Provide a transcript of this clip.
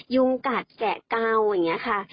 ยุงกัดแกะเกาอย่างนี้ค่ะ